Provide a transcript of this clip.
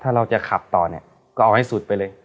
มันค่าแรง